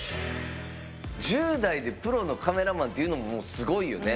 １０代でプロのカメラマンっていうのももうすごいよね。